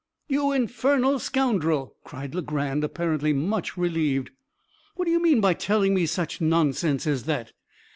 "You infernal scoundrel!" cried Legrand, apparently much relieved, "what do you mean by telling me such nonsense as that?